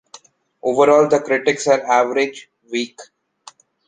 Overall, the critics are average, weak.